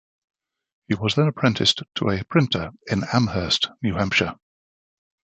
He was then apprenticed to a printer in Amherst, New Hampshire.